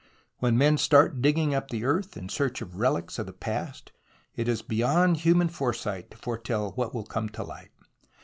When men start digging up the earth in search of relics of the past, it is beyond human foresight to foretell what will come to light.